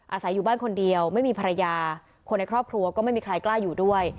อาศัยอยู่บ้านคนเดียวไม่มีภรรยาคนในครอบครัวก็ไม่มีใครกล้าอยู่ด้วย